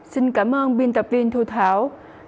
xin cảm ơn biên tập viên thu thảo